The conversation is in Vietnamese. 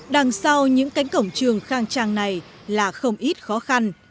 đằng sau những cánh cổng trường khang trang này là không ít khó khăn